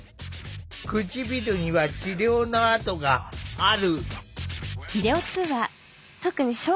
唇には治療の痕がある。